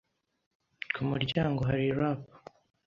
Ku muryango hari rap.